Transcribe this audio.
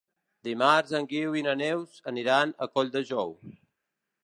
Dimarts en Guiu i na Neus aniran a Colldejou.